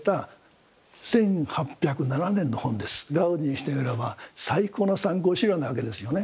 ガウディにしてみれば最高の参考資料なわけですよね。